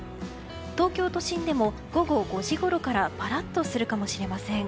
東京都心でも午後５時ごろからぱらっとするかもしれません。